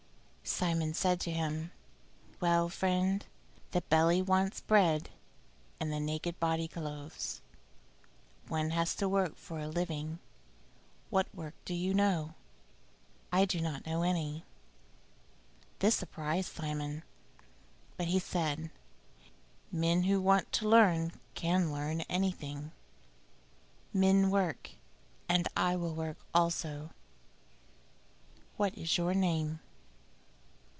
Simon said to him, "Well, friend; the belly wants bread, and the naked body clothes. One has to work for a living What work do you know?" "I do not know any." This surprised Simon, but he said, "Men who want to learn can learn anything." "Men work, and I will work also." "What is your name?"